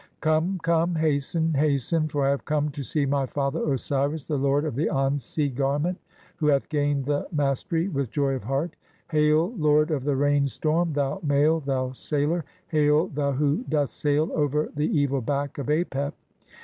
Come, come, hasten, hasten, "for I have come to see my father Osiris, the lord of the ansi "garment, who hath gained the mastery (4) with joy of heart. "Hail, lord of the rain storm, thou Male, thou Sailor ! Hail, "thou who dost sail over the evil back of Apep